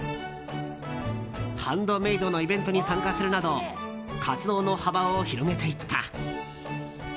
ハンドメイドのイベントに参加するなど活動の幅を広げていった。